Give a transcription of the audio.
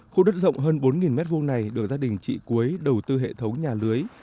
khu đất rộng hơn bốn m hai này được gia đình chị cuối đầu tư hệ thống nhà lưới